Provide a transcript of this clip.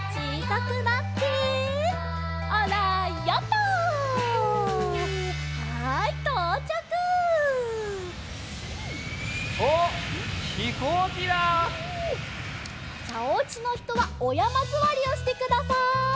さあおうちのひとはおやまずわりをしてください。